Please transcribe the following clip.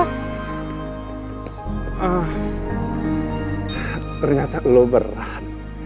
ternyata lo berat